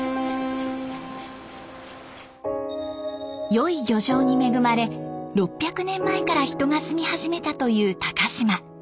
良い漁場に恵まれ６００年前から人が住み始めたという高島。